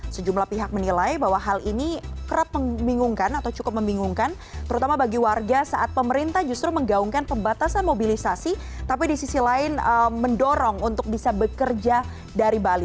sejumlah pihak menilai bahwa hal ini kerap membingungkan atau cukup membingungkan terutama bagi warga saat pemerintah justru menggaungkan pembatasan mobilisasi tapi di sisi lain mendorong untuk bisa bekerja dari bali